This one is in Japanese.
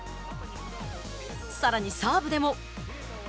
さらにサーブでも。